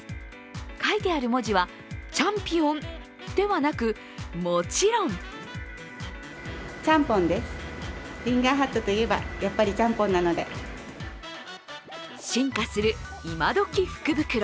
書いてある文字は、チャンピオンではなく、もちろん進化するイマドキ福袋。